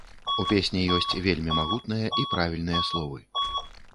У песні ёсць вельмі магутныя і правільныя словы.